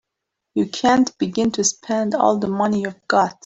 You can't begin to spend all the money you've got.